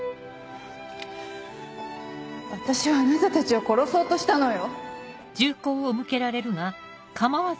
私はあなたたちを殺そうとしたのよ？